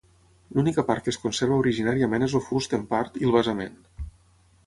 L'única part que es conserva originàriament és el fust, en part, i el basament.